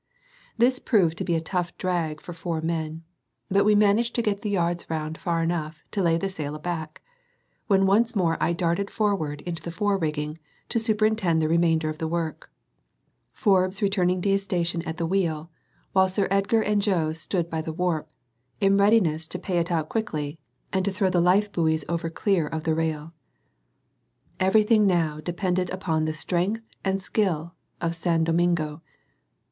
This proved to be a tough drag for four men; but we managed to get the yards round far enough to lay the sail aback, when I once more darted forward into the fore rigging to superintend the remainder of the work; Forbes returning to his station at the wheel, while Sir Edgar and Joe stood by the warp, in readiness to pay it out quickly, and to throw the life buoys over clear of the rail. Everything now depended upon the strength and skill of San Domingo.